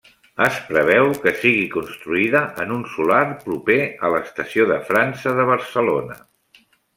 Es preveu que sigui construïda en un solar proper a l'Estació de França de Barcelona.